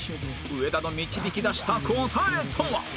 上田の導き出した答えとは？